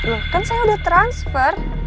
loh kan saya udah transfer